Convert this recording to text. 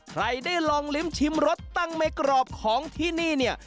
ได้ลองลิ้มชิมรสตั้งไม่กรอบของที่นี่เนี่ย